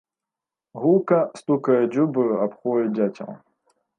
Гулка стукае дзюбаю аб хвою дзяцел.